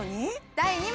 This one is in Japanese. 第２問！